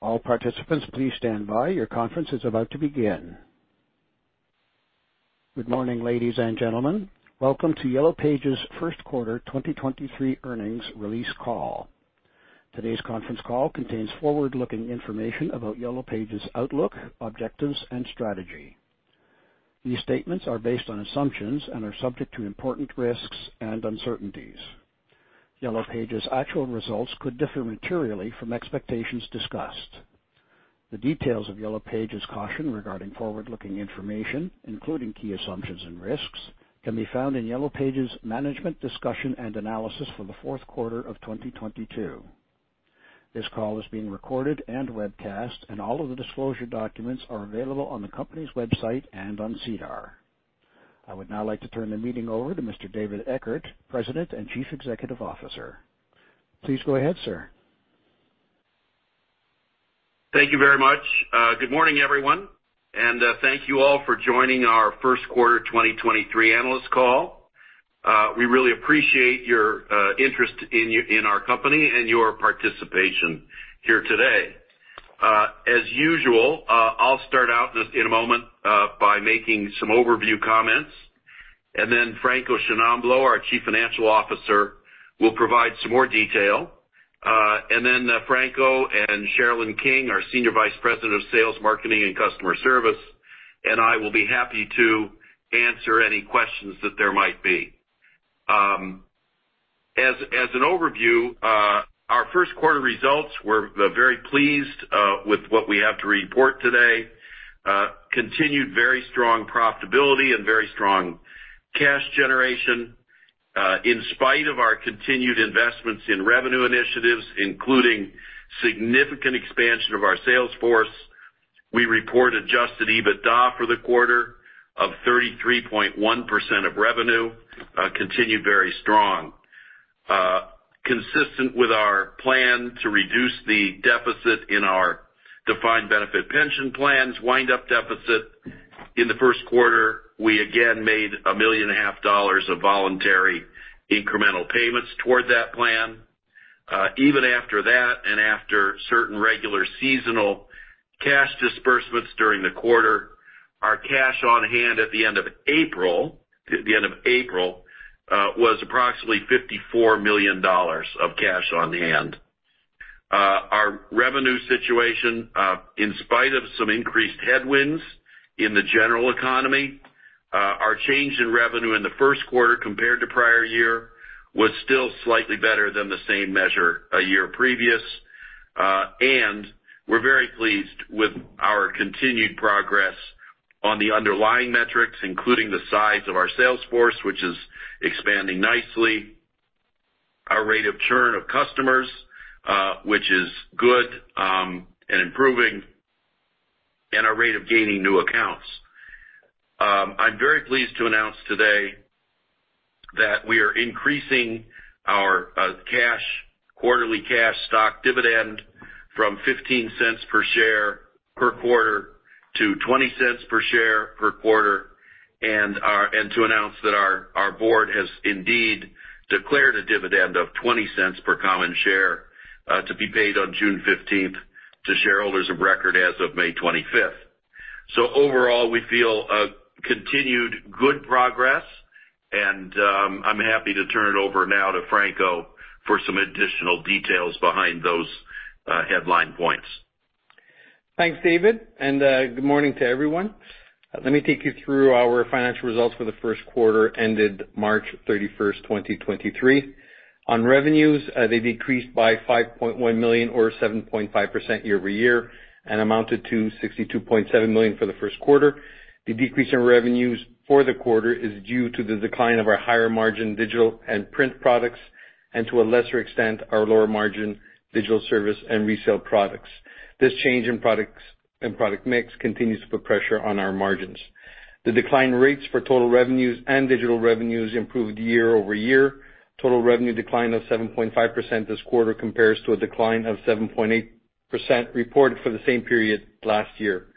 All participants, please stand by. Your conference is about to begin. Good morning, ladies and gentlemen. Welcome to Yellow Pages First Quarter 2023 Earnings release call. Today's conference call contains forward-looking information about Yellow Pages' outlook, objectives, and strategy. These statements are based on assumptions and are subject to important risks and uncertainties. Yellow Pages' actual results could differ materially from expectations discussed. The details of Yellow Pages' caution regarding forward-looking information, including key assumptions and risks, can be found in Yellow Pages' management discussion and analysis for the fourth quarter of 2022. This call is being recorded and webcast. All of the disclosure documents are available on the company's website and on SEDAR. I would now like to turn the meeting over to Mr. David Eckert, President and Chief Executive Officer. Please go ahead, sir. Thank you very much. Good morning, everyone, thank you all for joining our first quarter 2023 analyst call. We really appreciate your interest in our company and your participation here today. As usual, I'll start out in a moment by making some overview comments. Franco Sciannambrello, our Chief Financial Officer, will provide some more detail. Franco and Sherilyn King, our Senior Vice President of Sales, Marketing, and Customer Service, and I will be happy to answer any questions that there might be. As an overview, our first quarter results, we're very pleased with what we have to report today. Continued very strong profitability and very strong cash generation. In spite of our continued investments in revenue initiatives, including significant expansion of our sales force, we report Adjusted EBITDA for the quarter of 33.1% of revenue, continued very strong. Consistent with our plan to reduce the deficit in our defined benefit pension plans, wind-up deficit. In the first quarter, we again made 1.5 million of voluntary incremental payments toward that plan. Even after that, and after certain regular seasonal cash disbursements during the quarter, our cash on hand at the end of April was approximately 54 million dollars of cash on hand. Our revenue situation, in spite of some increased headwinds in the general economy, our change in revenue in the first quarter compared to prior year was still slightly better than the same measure a year previous. We're very pleased with our continued progress on the underlying metrics, including the size of our sales force, which is expanding nicely, our rate of churn of customers, which is good and improving, and our rate of gaining new accounts. I'm very pleased to announce today that we are increasing our cash, quarterly cash stock dividend from 0.15 per share per quarter to 0.20 per share per quarter, and to announce that our board has indeed declared a dividend of 0.20 per common share, to be paid on June 15th to shareholders of record as of May 25th. Overall, we feel continued good progress, and I'm happy to turn it over now to Franco for some additional details behind those headline points. Thanks, David. Good morning to everyone. Let me take you through our financial results for the first quarter ended March 31, 2023. On revenues, they decreased by 5.1 million or 7.5% year-over-year and amounted to 62.7 million for the first quarter. The decrease in revenues for the quarter is due to the decline of our higher margin digital and print products, and to a lesser extent, our lower margin digital service and resale products. This change in products and product mix continues to put pressure on our margins. The decline rates for total revenues and digital revenues improved year-over-year. Total revenue decline of 7.5% this quarter compares to a decline of 7.8% reported for the same period last year.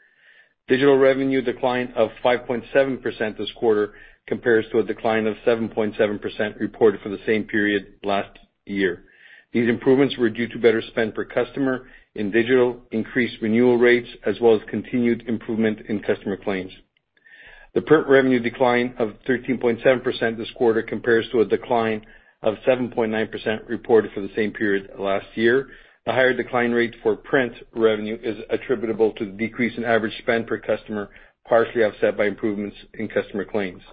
Digital revenue decline of 5.7% this quarter compares to a decline of 7.7% reported for the same period last year. These improvements were due to better spend per customer in digital, increased renewal rates, as well as continued improvement in customer claims. The print revenue decline of 13.7% this quarter compares to a decline of 7.9% reported for the same period last year. The higher decline rate for print revenue is attributable to the decrease in average spend per customer, partially offset by improvements in customer claims.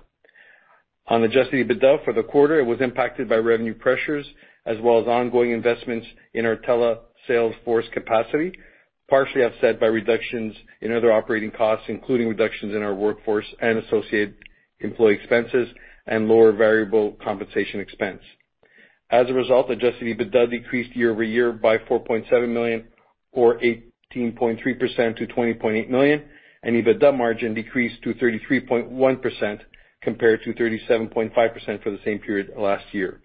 On Adjusted EBITDA for the quarter, it was impacted by revenue pressures as well as ongoing investments in our telesales force capacity, partially offset by reductions in other operating costs, including reductions in our workforce and associated employee expenses and lower variable compensation expense. As a result, Adjusted EBITDA decreased year-over-year by 4.7 million or 18.3% to 20.8 million, and EBITDA margin decreased to 33.1% compared to 37.5% for the same period last year.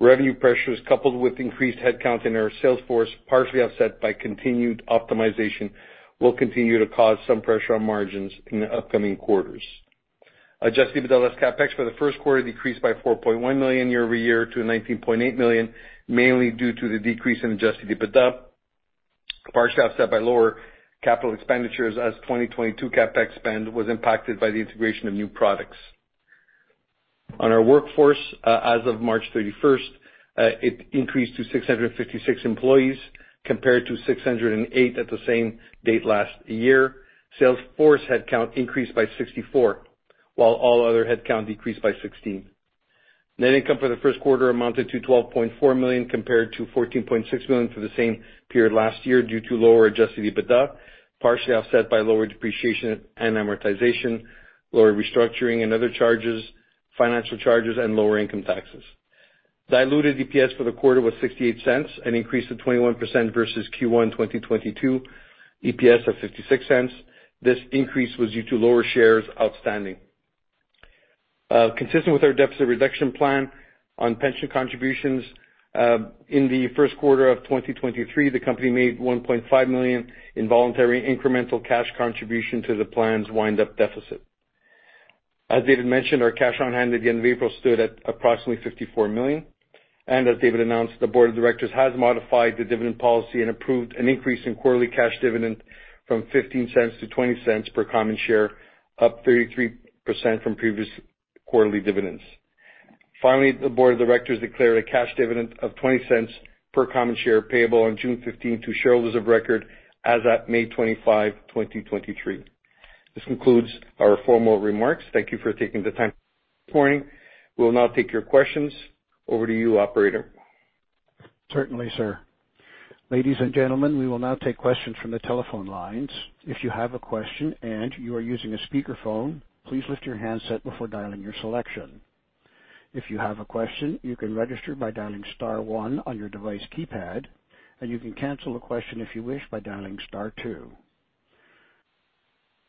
Revenue pressures coupled with increased headcount in our sales force, partially offset by continued optimization, will continue to cause some pressure on margins in the upcoming quarters. Adjusted EBITDA less CapEx for the first quarter decreased by 4.1 million year-over-year to 19.8 million, mainly due to the decrease in Adjusted EBITDA, partially offset by lower capital expenditures as 2022 CapEx spend was impacted by the integration of new products. On our workforce, as of March 31st, it increased to 656 employees compared to 608 at the same date last year. Sales force headcount increased by 64, while all other headcount decreased by 16. Net income for the first quarter amounted to 12.4 million compared to 14.6 million for the same period last year due to lower Adjusted EBITDA, partially offset by lower depreciation and amortization, lower restructuring and other charges, financial charges and lower income taxes. Diluted EPS for the quarter was 0.68, an increase of 21% versus Q1 2022 EPS of 0.56. This increase was due to lower shares outstanding. Consistent with our deficit reduction plan on pension contributions, in the first quarter of 2023, the company made 1.5 million in voluntary incremental cash contribution to the plan's wind-up deficit. As David mentioned, our cash on hand at the end of April stood at approximately 54 million. As David Eckert announced, the board of directors has modified the dividend policy and approved an increase in quarterly cash dividend from 0.15-0.20 per common share, up 33% from previous quarterly dividends. The board of directors declared a cash dividend of 0.20 per common share payable on June 15th to shareholders of record as at May 25, 2023. This concludes our formal remarks. Thank you for taking the time this morning. We will now take your questions. Over to you, operator. Certainly, sir. Ladies and gentlemen, we will now take questions from the telephone lines. If you have a question and you are using a speakerphone, please lift your handset before dialing your selection. If you have a question, you can register by dialing star one on your device keypad, and you can cancel a question if you wish by dialing star two.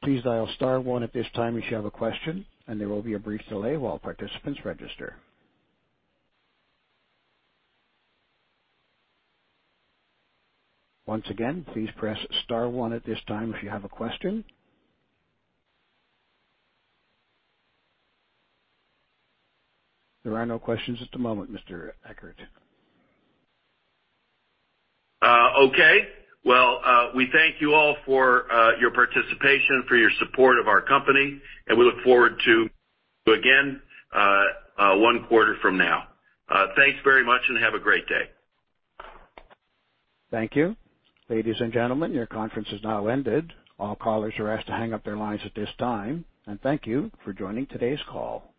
Please dial star one at this time if you have a question, and there will be a brief delay while participants register. Once again, please press star one at this time if you have a question. There are no questions at the moment, Mr. Eckert. Okay. Well, we thank you all for your participation, for your support of our company, and we look forward to, again, one quarter from now. Thanks very much and have a great day. Thank you. Ladies and gentlemen, your conference has now ended. All callers are asked to hang up their lines at this time, and thank you for joining today's call.